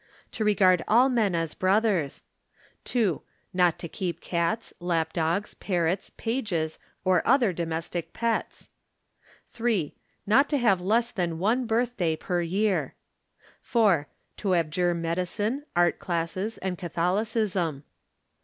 To regard all men as brothers. 2. Not to keep cats, lap dogs, parrots, pages, or other domestic pets. 3. Not to have less than one birthday per year. 4. To abjure medicine, art classes, and Catholicism.